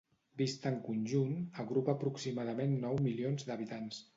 Vist en conjunt, agrupa aproximadament nou milions d'habitants.